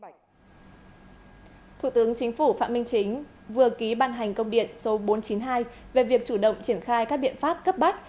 thủ tướng chính phủ phạm minh chính vừa ký ban hành công điện số bốn trăm chín mươi hai về việc chủ động triển khai các biện pháp cấp bách